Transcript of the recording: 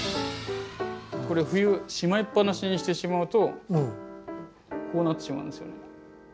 これ冬しまいっぱなしにしてしまうとこうなってしまうんですよね。